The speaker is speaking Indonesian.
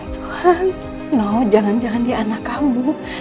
tuhan no jangan jangan di anak kamu